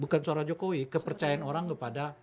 bukan suara jokowi kepercayaan orang kepada